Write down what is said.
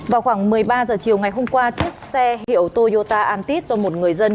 vào khoảng một mươi ba h chiều ngày hôm qua chiếc xe hiệu toyota antiz do một người dân